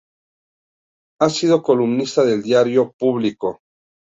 Ha sido columnista del diario "Público".